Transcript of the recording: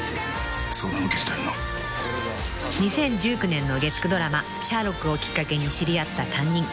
［２０１９年の月９ドラマ『シャーロック』をきっかけに知り合った３人］